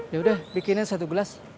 yaudah bikinnya satu gelas